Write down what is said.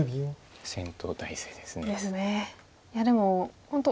戦闘態勢ですね。ですね。